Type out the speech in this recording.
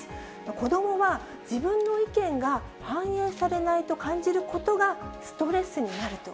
子どもは自分の意見が反映されないと感じることがストレスになると。